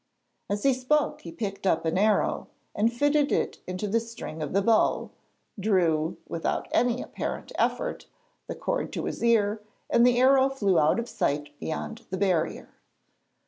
As he spoke he picked up an arrow and, fitting it into the string of the bow, drew, without any apparent effort, the cord to his ear, and the arrow flew out of sight beyond the barrier.